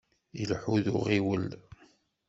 Ileḥḥu d uɣiwel.